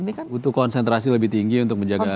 ini kan butuh konsentrasi lebih tinggi untuk menjaga